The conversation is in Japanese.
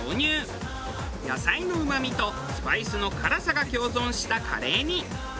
野菜のうまみとスパイスの辛さが共存したカレーに。